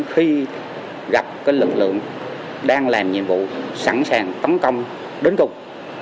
khi gặp lực lượng đang làm nhiệm vụ sẵn sàng tấn công đến cùng